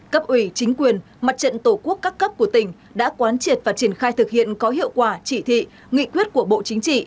cấp ủy chính quyền mặt trận tổ quốc các cấp của tỉnh đã quán triệt và triển khai thực hiện có hiệu quả chỉ thị nghị quyết của bộ chính trị